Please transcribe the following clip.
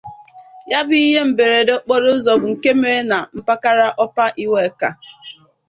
ya bụ ihe mberede okporoụzọ bụ nke mere na mpaghara Upper Iweka